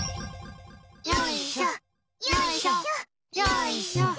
よいしょ、よいしょよいしょ。